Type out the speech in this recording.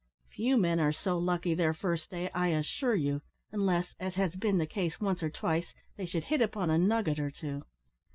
Few men are so lucky their first day, I assure you, unless, as has been the case once or twice they should hit upon a nugget or two."